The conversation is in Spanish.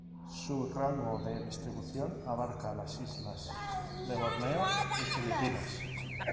Su rango de distribución abarca las islas de Borneo y Filipinas.